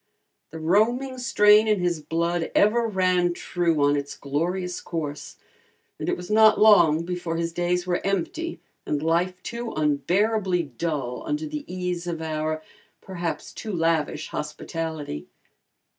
The roaming strain in his blood ever ran true on its glorious course, and it was not long before his days were empty and life too unbearably dull under the ease of our, perhaps too lavish, hospitality.